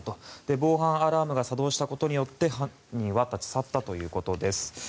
防犯アラームが作動したことによって犯人は立ち去ったということです。